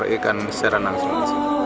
biar ikan secara nangsung